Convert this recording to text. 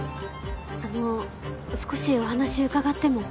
あの少しお話伺っても。